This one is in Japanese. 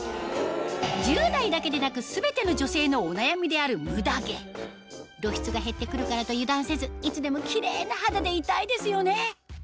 １０代だけでなく全ての女性のお悩みであるムダ毛露出が減って来るからと油断せずいつでもキレイな肌でいたいですよね